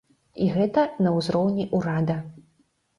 І гэта на ўзроўні ўрада.